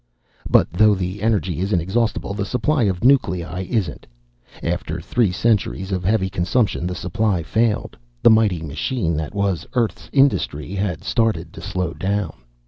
But though the energy is inexhaustible, the supply of nuclei isn't. After three centuries of heavy consumption, the supply failed. The mighty machine that was Earth's industry had started to slow down.